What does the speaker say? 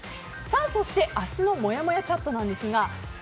そして、明日のもやもやチャットなんですがＨｅｙ！